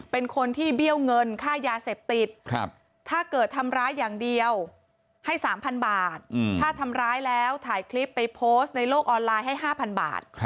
เป็นคนที่เบี้ยวเงินค่ายาเสพติดถ้าเกิดทำร้ายอย่างเดียวให้๓๐๐บาทถ้าทำร้ายแล้วถ่ายคลิปไปโพสต์ในโลกออนไลน์ให้๕๐๐บาท